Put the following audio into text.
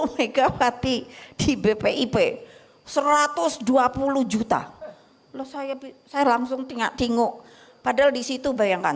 mereka hati di bp ip satu ratus dua puluh juta loh saya saya langsung tinggal tinggal padahal disitu bayangkan